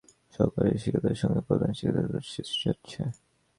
একই প্রতিষ্ঠানে কর্মরত থাকায় সহকারী শিক্ষকদের সঙ্গে প্রধান শিক্ষকের দ্বন্দ্ব সৃষ্টি হচ্ছে।